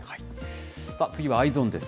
次はＥｙｅｓｏｎです。